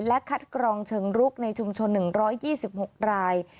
และคัดกรองเชิงรุกในชุมชน๑๒๖ราย